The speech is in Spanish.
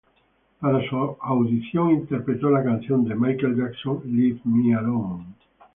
Para su audición interpretó la canción de Michael Jackson Leave Me Alone.